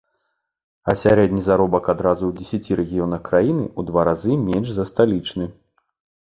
А сярэдні заробак адразу ў дзесяці рэгіёнах краіны ў два разы менш за сталічны.